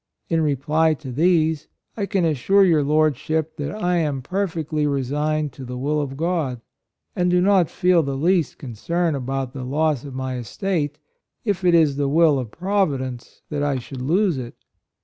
In reply to these, I can assure your Lord ship that I am perfectly resigned to the will of God, and do not feel the least concern about the loss of my estate, if it is the will of Provi dence that I should lose it.